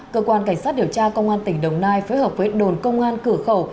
cơ quan cảnh sát điều tra công an tỉnh đồng nai phối hợp với đồn công an cửa khẩu